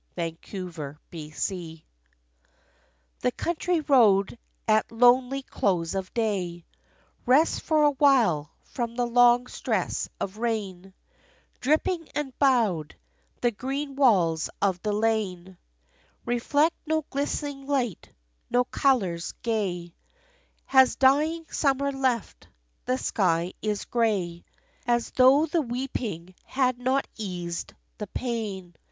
XVIII After Rain The country road at lonely close of day Rests for a while from the long stress of rain; Dripping and bowed, the green walls of the lane Reflect no glistening light, no colors gay Has dying Summer left. The sky is gray, As though the weeping had not eased the pain.